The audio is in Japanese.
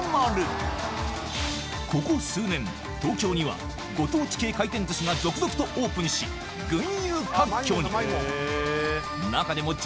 ここ数年東京にはご当地系回転寿司が続々とオープンし群雄割拠に！